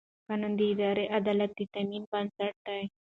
قانون د اداري عدالت د تامین بنسټ دی.